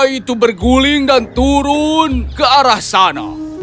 itu berguling dan turun ke arah sana